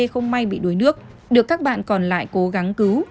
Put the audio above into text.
không may bị đuối nước được các bạn còn lại cố gắng cứu